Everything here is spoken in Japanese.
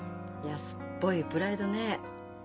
安っぽいプライドねえ。